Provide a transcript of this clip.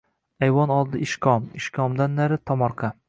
Аyvon oldi ishkom. Ishkomdan nari — tomorqa.